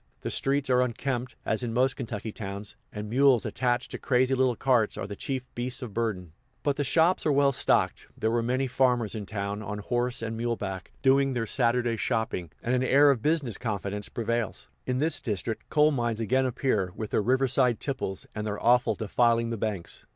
The streets are unkempt, as in most Kentucky towns, and mules attached to crazy little carts are the chief beasts of burden; but the shops are well stocked; there were many farmers in town, on horse and mule back, doing their Saturday shopping; and an air of business confidence prevails. In this district, coal mines again appear, with their riverside tipples, and their offal defiling the banks.